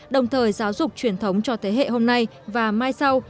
đồng thời giáo dục truyền thống cho thế hệ hôm nay và mai sau